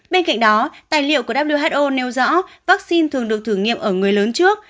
bên cạnh đó tài liệu của who nêu rõ vaccine thường được thử nghiệm ở người lớn trước